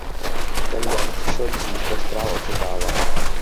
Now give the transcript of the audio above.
Ten den přišel dřív než král očekával.